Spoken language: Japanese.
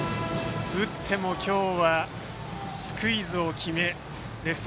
打っても今日はスクイズを決めレフト